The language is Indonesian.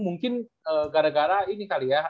mungkin gara gara ini kali ya